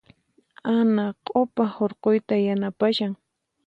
Ana q'upa hurquyta yanapashan.